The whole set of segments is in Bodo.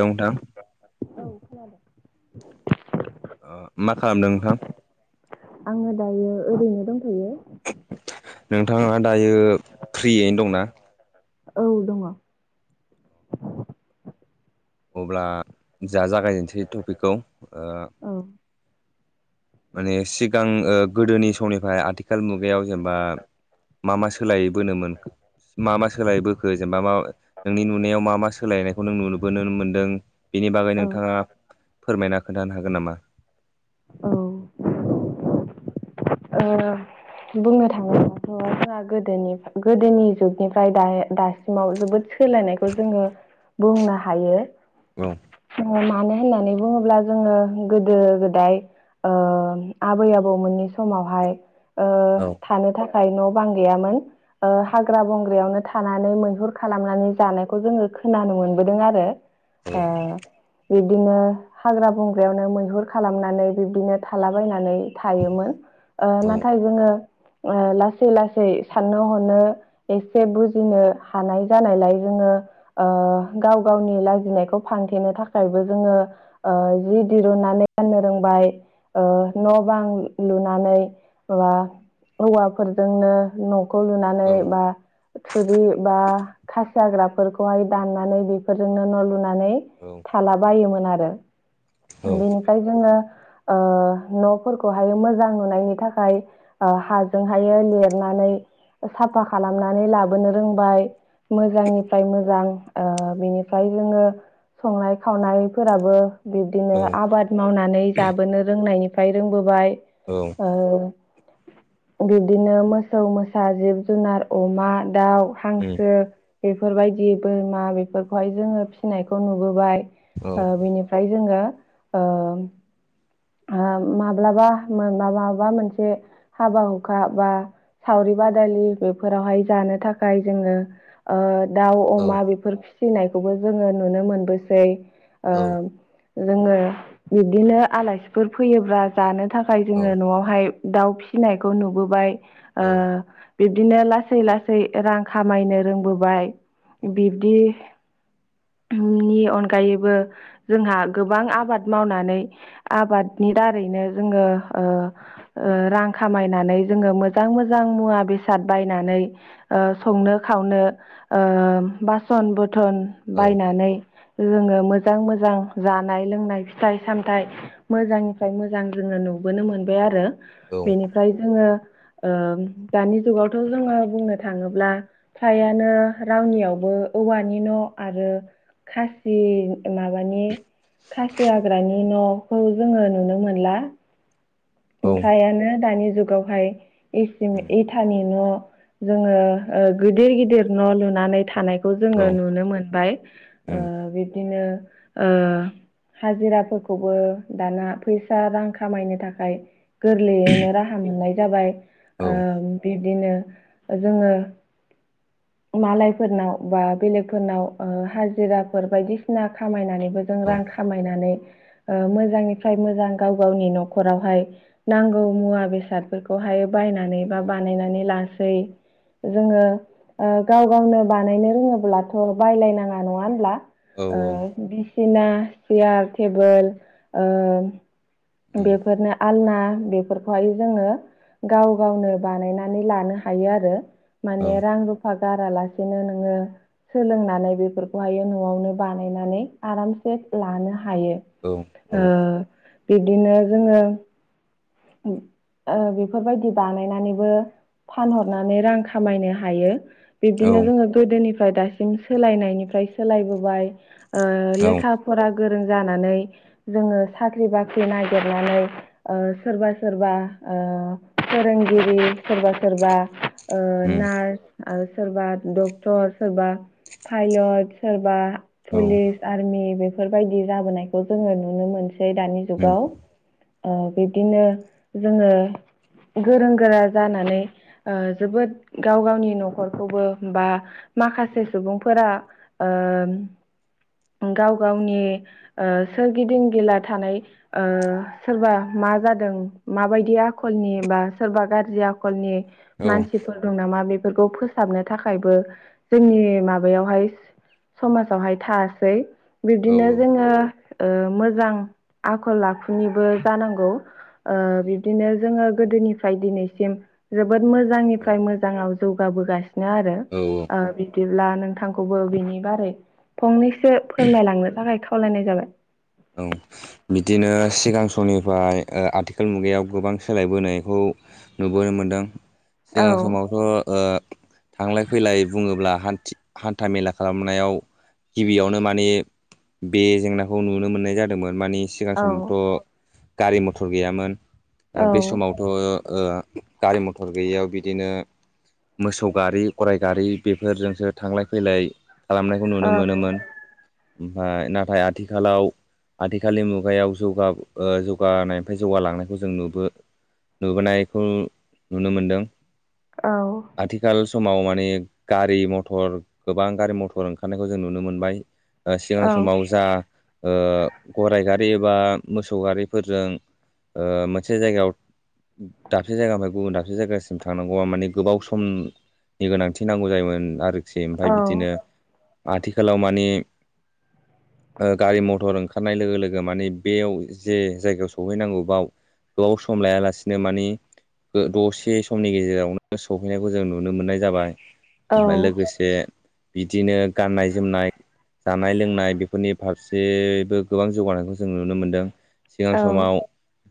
औ नोंथां [inaudible] औ खोनादों। मा खालामदों नोंथां आङो दायो ओरैनो दंथयो नोंथाङा दायो फ्रियैनो दंना औ दंङ अब्ला जा जागायजेनसै टपिकखौ औ माने सिगां गोदोनि समनिफ्राय आथिखाल मुगायाव जेनेबा मा मा सोलायै बोनोमोन मा मा सोलायबोखो जेनेबा मा नोंनि नुनायाव मा मा सोलायनायखौ नों नुोन मोनदों बे बेनि बागै नोंथाङा फोरमायना खोन्थानो हागोन नामा औ बुंनो थाङोबफोरा गोनि गोदोनि जुगनिफ्राय दा दासिमाव जोबोद सोलायनायखौ जोङो बुंनो हायो औ होननानै बुङोब्ला जोङो गोदो गोदाय आबै आबौमोननि समावहाय औ थानो थाखाय न' बां गैयामोन हाग्रा बं बग्रियावनो थानानै मैहुर खालामनानै जानायखौ जोङो खोनानो मोनबोदों आरो औ आ बिब्दिनो हाग्रा बंग्रायावनो मैहुर खालामनानै बिब्दिनो थालाबायनानै थायोमोन ओ औ ना [inaudible] ओ लासै लासै साननो हनो एसे बुजिनो हानाय जानायलाय जोङो ओ गाव गावनि लाजिनायखौ फानथेनो थाखायबो जोङो जि दिरुन नानै गाननो रोंबाय ओ न' बां लुनानै मा औवाफोरजोंनो न'ख खौ औ लुनानै बा थुरि बा खासि हाग्राफोरखौहाय दाननानै बेफोरजोंनो न' लुनानै थाला बायोमोन। आरो औ बेनिफ्राय जोङो ओ न'फोरखौहाय मोजां नुनायनि थाखाय ओ हाजोंहायो ले नानै साफा खालामनानै लाबोनो रोंबाय मोजांनिफ्राय मोजां ओ बिनिफ्राय जोङो संनाय खावनायफोराबो बे दिनो औ आबाद मावनानै जाबोनो रोंनायनिफ्राय रोंबोबाय औ ओ बिब्दिनो मोसौ मोसा जिब जुनार अमा दाउ हांसो बेफोरबायदि बोरमा बेफोरखौहाय जोङो फिनायखौ नुबोबाय ओ बिनिफ्राय जोङो ओ हा माब्लाबा म माबा मोनसे हाबा हुखा बा सावरि बादालि बेफोरावहाय जानो थाखाय जोङो ओ दाउ अमा बेफोर फिसिनायखौबो जोङो नुनो मोनबोसै ओ औ जोङो बिब्दिनो आलासिफोर फैयोब्ला जानो थाखाय जोङो न'आवहाय दाउ फिनायखौ नुबोबाय ओ बिब्दिनो लासै लासै रां खामायनो रोंबोबाय औ बिब्दि नि अनगायैबो जोंहा गोबां आबाद मावनानै औ आबादनि दारैनो जोङो ओ ओ रां खामायनानै जोङो मो मोजां औ मोजां मुवा बेसे फसाद बायनानै ओ संनो खावनो ओ बासन बुथ बथन औ बायनानै जोङो मोजां मोजां जानाय लोंनाय फिथाइ सामथाइ मोजांनिफ्राय मोजां जोङो नुबोनो मोनबाय आरो औ बेनिफ्राय जोङो ओ दानि जुगावथ' जोङो बुंनो थाङोब्ला फ्रायानो रावनियावबो औवानि न' आरो खासि माबानि खासि हाग्रानि न'खौ जोङो नुनो मोनला। उम ओमफ्रायानो दानि जुगावहायसि इसि इटानि न' जोङो ओ गिदिर गिदिर न' लुनानै थानाय खौ औ जोङो नुनो मोनबाय उम औ ओ बिब्दिनो ओ हाजिराफोरखौबो दाना फैसा रां खामायनो थाखाय गोरलैयैनो राहा मोननाय जाबाय ओ औ बिब्दिनो जोङो मालायफोरनाव बा बेलेगफोरनाव हाजिराफोर बायदिसिना खामायनानै जों औ उम रां खामायनानै ओ मोजांनिफ्राय मोजां गाव गावनि न'खरावहाय नांगौ मुवा बेसादफोरखौहाय बायनानै बा औ बानायनानै लास सै जोङो ओ उम गाव गावनो बानायनो रोङोब्लाथ' बायलायनाङा नङा होनब्ला औ ओ सिना चियार टेबोल ओ उम बेफोरनो आलना बेफोरखौहाय जोङो गाव गावनो बानायनानै लानो हायो आरो। औ माने रां रुफा गारालासेनो नोङो सोलोंनानै बेफोरखौहायो न'आवनो बानायनानै आरामसे लानो हा। हायो उम औ ओ बिब्दिनो जोङो ओ बेफोरबायदि बानायनानैबो फानहरनानै रां खामायनो हायो। औ बिब्दिनो जोङो गोदोनिफ्राय दासिम सोलायनायनिफ्राय सोलायबोबाय। ओ लेखा फरा गोरों जानानै जोङो साख्रि बाख्रि नागिरनानै सोरबा सोरबा फोरोंगिरि सोरबा सोरबा उम नार्स आरो सोरबा डक्टर सोरबा पायलट सोरबा पुलिस आर्मि बेफोरबायदि जाबोनायखौ जोङो नुनो मोनसै। सै दानि जुगाव। बिबदिनो जोङो गोरों गोरा जानानै जोबोद गाव गावनि न'खरखौबो बा माखासे सुबुंफोरा गाव गावनि सोरगिदिं गिला थानाय सोरबा मा जादों माबायदि आखलनि बा सोरबा गाज्रि आखलनि औ मानसिफोर दं नामा बेफोरखौ फोसाबनो थाखायबो जोंनि माबायावहाय समाजावहाय थासै। औ बिब्दिनो जोङो मोजां आखल आखुनिबो जानांगौ। बिब्दिनो जोङो गोदोनिफ्राय दिनैसिम जोबोद मोजांनिफ्राय मोजाङाव जौगाबोगासिनो आरो बिदिब्ला नोंथांखौबो बिनि बारै फंनैसो फोरमायलांनो थाखाय खावलायनाय जाबाय। औ बिदिनो सिगां समनिफ्राय आथिखाल मुगायाव गोबां सोलायबोनायखौ नुबोनो मोनदों। सिगां समावथ' थांलाय फैलाय बुङोब्ला हान्था मेला खालामनायाव गिबियावनो माने बे जेंनाखौ नुनो मोनो। मोननाय जादोंमोन। माने सिगां समावथ' गारि मथर गैयामोन। बे समावथ' गारि मथर गैयियाव बिदिनो मोसौ गारि गराय गारि बेफोरजोंसो थांलाय फैलाय खालामनायखौ नुनो मोनोमोन। ओमफ्राय नाथाय आथिखालाव आथिखालनि मुगायाव जौगानाय जौगानायनिफ्राय जौगालांनायखौ जों नुबो नुबोनायखौ नुनो मोनदों। आथिखाल समाव माने गारि मथर गोबां गारि मथर ओंखारनायखौ जों नुनो मोनबाय। सिगां समाव जा गराय गारि एबा मोसौ गारिफोरजों मोनसे जायगायाव दाबसे जायगानिफ्राय गुबुन दाबसे जायगासिम थांनांगौआ माने गोबाव सम नि गोनांथि नांगौ जायोमोन। आरो ओमफ्राय बिदिनो आथिखालाव मानि गारि मथर ओंखार लोगो लोगो माने बेयाव जे जायगायाव सहैनांगौ बेयाव गोबाव सम लायालासिनो मानिे दसे समनि गेजेरावनो सहैनायखौ जों नुनो मोननाय जाबाय। ओमफ्राय लोगोसे बिदिनो गाननाय जोमनाय जानाय लोंनाय बेफोरनि फारसेबो गोबां जौगानायखौ जों नुनो मोन्दों। सिगां समाव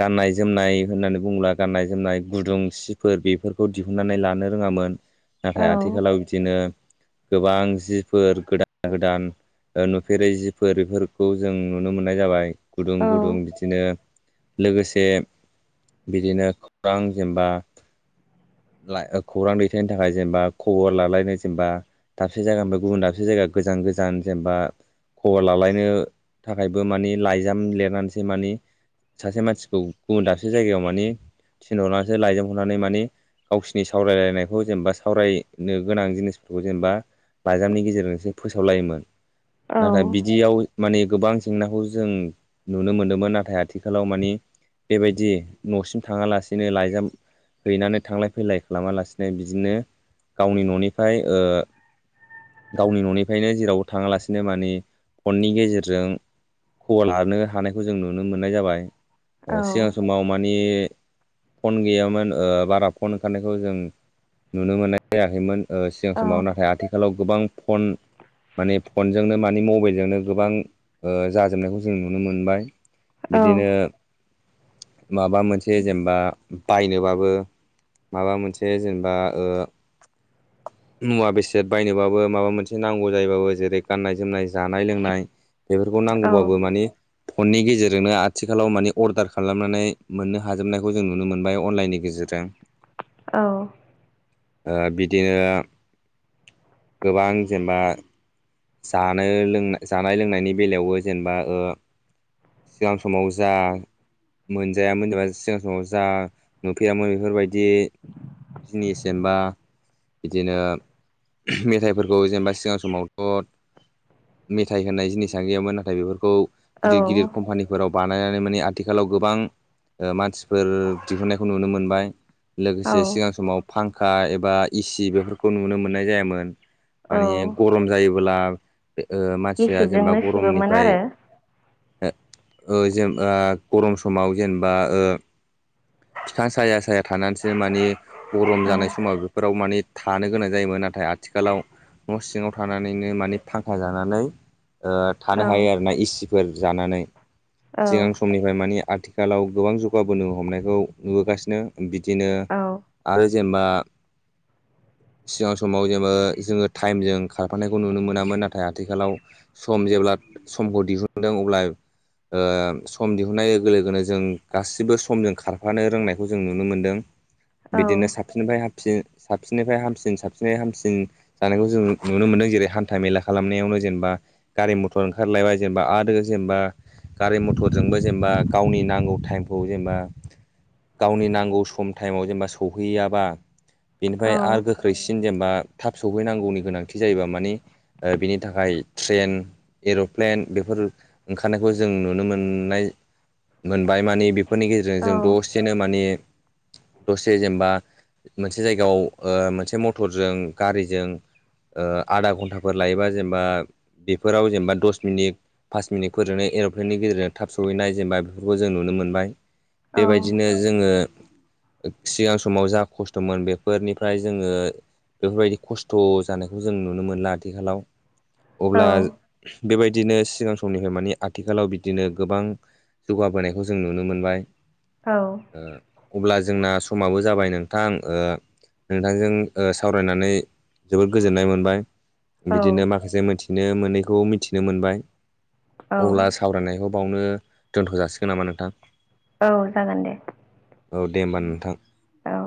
गाननाय जोमनाय होननानै बुङोब्ला गाननाय जोमनाय गुदुं सिफोर बेफोरखौ दिहुनन्नानै लानो रोङामोन। नाथाय आथिखालाव बिदिनो गोबां जिफोर गोदान गोदान नुफेरै जिफोर बेफोरखौ जों नुनो मोननाय जाबाय। गुदुं गुदुं बिदिनो लोगोसे बिदिनो खौरां जेनबा खौरां दैथायनो थाखाय जेनेबा खबर लालायनो जेनेबा दाबसे जायगानि ओमफ्राय गुबुन दाबसे जायगा गोजान गोजान जेनेबा खबर लालायनो थाखायबो माने लाइजाम लिरनानैसै माने सासे मानसिखौ गुबुन दाबसे जायगायाव माने थिनहरनानैसो लाायजोबहरनानै माने गावसिनि सावरायलायनायखौ जेनेबा सावरायनो गोनां जिनिसफोरखौ जेनेबा लाइजामनि गेजेरजोंसो फोसावलायोमोन नाथाय बिदियाव माने गोबां जेंनाखौ जों नुनो मोनदोंमोन नाथाय आथिखालाव मानि बेबायदि न'सिम थाङालासिनो लाइजाम हैनानै थांलाय फैलाय खालामालासिनो बिदिनो गावनि न'निफ्राय गावनि न'निफ्रायनो जेरावबो थाङालासिनो मानि फननि गेजेराव जों खबर लानो हानायखौ जों नुनो मोननाय जाबाय सिगां समाव मानि फन गैयामोन ओ बारा फन ओंखारनायखौ जों नुनो मोननाय जायाखैमोन सिगां समाव नाथाय आथिखालाव गोबां फन माने फनजोंनो मानि मबाइलजोंनो गोबां ओ जाजोबनायखौ जों नुनो मोनबाय बिदिनो माबा मोनसे जेनेबा बायनोबाबो माबा मोनसे जेनेबा मुवा बेसाद बायनोबाबो माबा मोनसे नांगौ जायोबाबो जेरै गाननाय जोमनाय जानाय लोंनाय बेफोरखौ नांगौबाबो मानि फननि गेजेरजोंनो आथिखालाव माने अर्डार खालामनानै मोननो हाजोबनायखौ जों नुनो मोनबाय अनलाइननि गेजेरजों [inaudible] औ ओ बिदिनो गोबां जेनेबा जानो लों जानाय लोंनायनि बेलायावबो जेनेबा ओ सिगां समाव जा मोनजायोन जा सिगां समाव जा नुफेरामोन बेफोरबायदि जिनिस एबा बिदिनो मेथाइफोरखौ जेनेबा सिगां समावथ' मेथाइ होनाय जिनिसा गैयामोन नाथाय बेफोरखौ गिदिर गिदिर कम्पानिफोराव बानाय बानायनानै माने आथिखालाव गोबां मानसिफोर दिहुननायखौ नुनो मोनबाय लोगोसे सिगां समाव फांखा एबा एसि बेफोरखौ नुनो मोननाय जायामोन मानि गरम जायोबोब्ला ओ मानसिया जेनेबा गोब्राबमोन गरमनिफ्राय आरो जेन गरम समाव जेनेबा फिफां साया साया थानानैसो मानि गरम औ जानाय समाव बेफोर फाव माने थानो गोनां जायोमोन नाथाय आथिखालाव न' सिङाव थानानैनो माने फांखा जानानै ओ थानो औ हायो आरो ना एसिफोर जानानै औ सिगां समनिफ्राय माने आथि खालाव गोबां जौगाबोनो हमनायखौ नुबोगासिनो बिदिनो औ आरो जेनेबा सिगां समाव जेनेबा जोङो टाइमजों खारफानायखौ नुनो मोनामोन नाथाय आथिखालाव सम जेब्ला समखौ दिहुनदों अब्ला ओ सम दिहुनाय लोगो लोगोनो जों गासिबो समजों खारफानो रोंनायखौ जों नुनो मोनदों औ बिदिनो साबसिननिफ्राय हाम सिन साबसिननिफ्राय हामसिन साबसिन हामसिन जानायखौ जों नुनो मोनदों जेरै हान्था मेला खालामनायावनो जेनेबा गारि मथर ओंखारलायबाय जेनेबा आरो जेनेबा गारि मथरजोंबो जेनेबा गावनि नांगौ टाइमखौ जेनेबा गावनि नांगौ सम टाइमाव जेनेबा सौहैयाबा बेनिफ्राय आरो गोख्रैसिन जेनेबा थाब सहैनांगौनि गोनांथि जायोबा मानि ओ बिनि थाखाय ध्रेन। एर'प्लेन बेफोर ओंखारनायखौ जों नुनो मोननाय मोनबाय मानिे बे। फोरनि गेजेरजों औ जों दसेनो माने दसे जेनेबा। मोनसे जायगायाव ओ मोनसे मथरजों गारिजों। ओ आदा घन्टाफोर लायोबा जेनबा बेब फोराव जेनबा दस मिनिट फास मिनिटफोरजोंनो एर'फ्लेननि गेजेरजों थाब सहैनाय जेनबा बेफोरखौ जों नुनो मोनबाय। बेबायदिनो जोङो। सिगां समाव जा खस्थ'मोन बेफोरनिफ्राय जोङो। बेफोरबायदि खस्थ' जानायखौ जों नुनो मोनला आथिखालाव अब्ला। बेबायदिनो सिगां समनिफ्राय माने आथिखालाव बिदिनो गोबां। जौगाबोनायखौ जों नुनो मोनबाय। औ। ओ अब्ला जोंना समाबो जाबाय नोंथां ओ। नोंथांजों ओ सावरायनानै जोबोद गोजोननाय मोनबाय। औ बिदिनो माखासे मिथिनो मोनैखौ मिथिनो मोनबाय औ औ अब्ला सावरायनायखौ। बावनो दोन्थ' जाासिगोन नामा नोंथां? औ जागोन दे। औ दे होमबा नोंथां। औ।